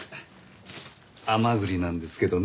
甘栗なんですけどね